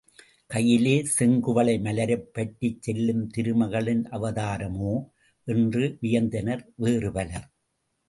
கையிலே செங்குவளை மலரைப் பற்றிச் செல்லும் திருமகளின் அவதாரமோ? என்று வியந்தனர் வேறு பலர்.